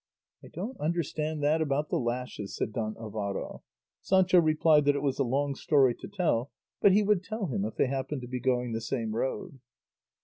"I don't understand that about the lashes," said Don Alvaro. Sancho replied that it was a long story to tell, but he would tell him if they happened to be going the same road.